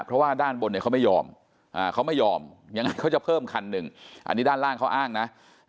เพราะว่าด้านบนเขาไม่ยอมยังไงเขาจะเพิ่มคันหนึ่งอันนี้ด้านล่างเขาอ้างนะ